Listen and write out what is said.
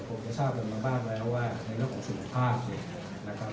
คงจะทราบกันมาบ้างแล้วว่าในเรื่องของสุขภาพเนี่ยนะครับ